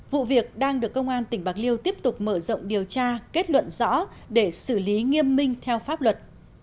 vụ việc đang được công an tỉnh bạc liêu tiếp tục mở rộng điều tra kết luận rõ để xử lý nghiêm minh theo pháp luật